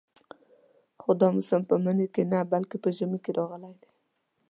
خو دا موسم په مني کې نه بلکې په ژمي کې راغلی دی.